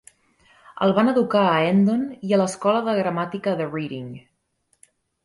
El van educar a Hendon i a l'escola de gramàtica de Reading.